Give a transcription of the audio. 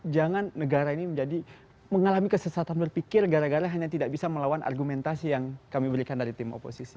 jangan negara ini menjadi mengalami kesesatan berpikir gara gara hanya tidak bisa melawan argumentasi yang kami berikan dari tim oposisi